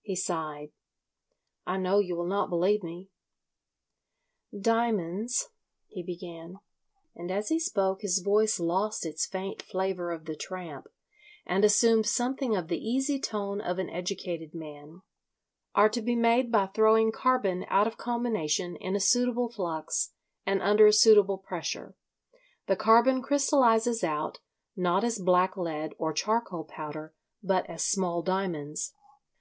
He sighed. "I know you will not believe me." "Diamonds," he began—and as he spoke his voice lost its faint flavour of the tramp and assumed something of the easy tone of an educated man—"are to be made by throwing carbon out of combination in a suitable flux and under a suitable pressure; the carbon crystallises out, not as black lead or charcoal powder, but as small diamonds.